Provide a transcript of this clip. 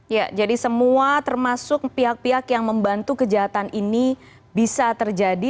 ya jadi semua termasuk pihak pihak yang membantu kejahatan ini bisa terjadi